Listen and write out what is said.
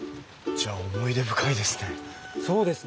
じゃあ思い出深いですね。